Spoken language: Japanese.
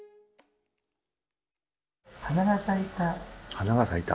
花が咲いた。